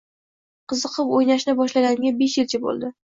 Qiziqib oʻynashni boshlaganimga besh yilcha boʻldi